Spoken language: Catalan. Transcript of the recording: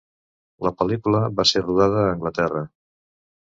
La pel·lícula va ser rodada a Anglaterra.